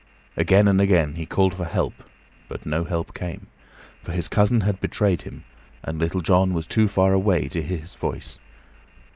Again and again he called for help, but no help came, for his cousin had betrayed him, and Little John was too far away to hear his voice.